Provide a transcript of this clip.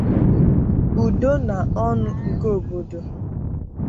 udo na ọṅụ nke obodo